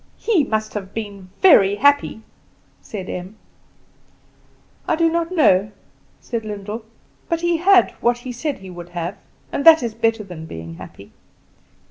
"He must have been very happy," said Em. "I do not know," said Lyndall; "but he had what he said he would have, and that is better than being happy.